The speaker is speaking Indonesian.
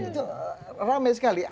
itu rame sekali